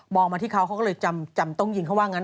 มาที่เขาเขาก็เลยจำต้องยิงเขาว่างั้น